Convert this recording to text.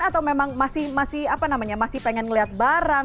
atau memang masih pengen melihat barang